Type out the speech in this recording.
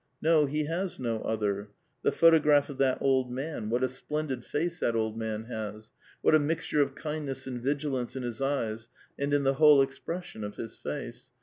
No, he has no other, — the jAotograph of that old man ; what a splendid face A VITAL QUESTION. 241 that old man has ! what a mixture of kindness and vigilance iu his eyes and in the whole expression of his face